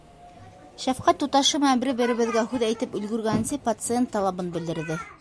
Шәфҡәт туташы менән бер-беребеҙгә һүҙ әйтеп өлгөргәнсе, пациент талабын белдерҙе: